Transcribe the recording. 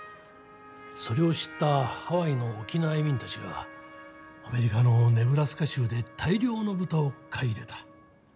それを知ったハワイの沖縄移民たちがアメリカのネブラスカ州で大量の豚を買い入れた。